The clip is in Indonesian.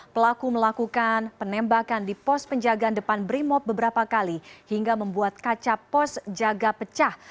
pelaku melakukan penembakan di pos penjagaan depan brimob beberapa kali hingga membuat kaca pos jaga pecah